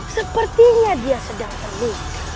sepertinya dia sedang menunggu